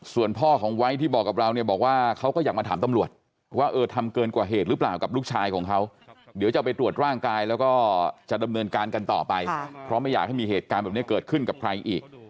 ส่วนพ่อของไว้ที่บอกกับเราเนี่ยบอกว่าเขาก็อยากมาถามตำรวจว่าเออทำเกินกว่าเหตุหรือเปล่ากับลูกชายของเขาเดี๋ยวจะไปตรวจร่างกายแล้วก็จะดำเนินการกันต่อไปเพราะไม่อยากให้มีเหตุการณ์แบบนี้เกิดขึ้นกับใครอีก